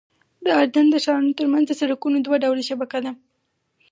د اردن د ښارونو ترمنځ د سړکونو دوه ډوله شبکه ده.